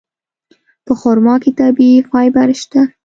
په خرما کې طبیعي فایبر شته.